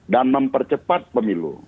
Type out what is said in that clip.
dan mempercepat pemilu